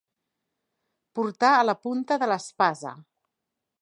Portar a la punta de l'espasa.